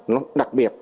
nó đặc biệt